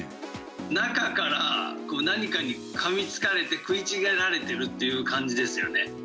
中から何かにかみつかれて、食いちぎられているという感じですよね。